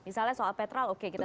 misalnya soal petrol oke kita